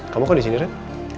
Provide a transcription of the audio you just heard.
kamu kok disini ren